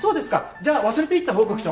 じゃあ忘れていった報告書